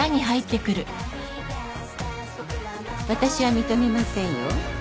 私は認めませんよ。